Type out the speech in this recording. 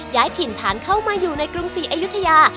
ย้ายถิ่นฐานเข้ามาอยู่ในกรุงศรีอยุธยา